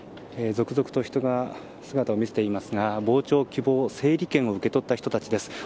続々と人が姿を見せていますが傍聴希望整理券を受け取った人たちです。